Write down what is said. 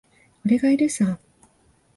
俺がいるさ。